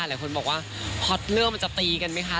หลายคนบอกว่าฮอตเนอร์มันจะตีกันไหมคะ